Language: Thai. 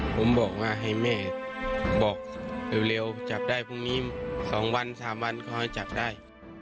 ผมบอกว่าให้แม่บอกเร็วจับได้พรุ่งนี้๒วัน๓วันก็ให้จับได้